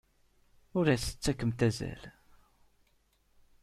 Ur as-ttakfemt azal.